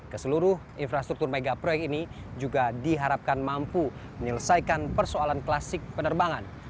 keseluruh infrastruktur megaproyek ini juga diharapkan mampu menyelesaikan persoalan klasik penerbangan